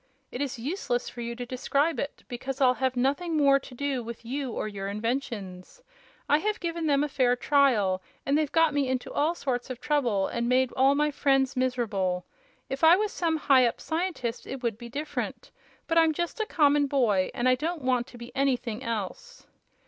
"It is useless for you to describe it, because I'll have nothing more to do with you or your inventions. I have given them a fair trial, and they've got me into all sorts of trouble and made all my friends miserable. If I was some high up scientist it would be different; but I'm just a common boy, and I don't want to be anything else."